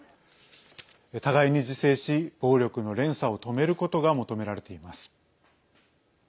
互いに自制し暴力の連鎖を止めることが求められています。